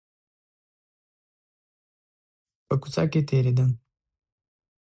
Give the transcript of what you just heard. په کوڅه کښې تېرېدم .